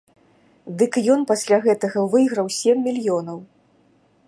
Дык ён пасля гэтага выйграў сем мільёнаў!